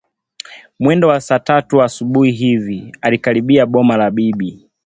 Mwendo wa saa tatu asubuhi hivi alikaribia boma la bibi